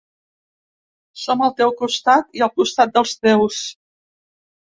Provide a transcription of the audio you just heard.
Som al teu costat, i al costat dels teus.